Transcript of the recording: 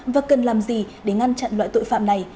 và cần làm gì để ngăn chặn loại tội phạm này